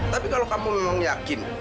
tapi kalau kamu memang yakin